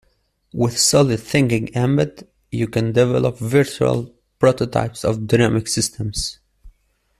With solidThinking Embed, you can develop virtual prototypes of dynamic systems.